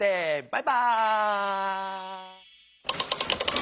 バイバーイ！